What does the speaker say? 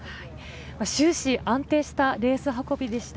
終始安定したレース運びでした。